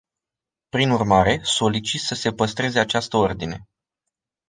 Prin urmare, solicit să se păstreze această ordine.